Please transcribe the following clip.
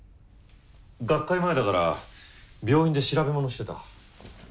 学会前だから病院で調べ物してた。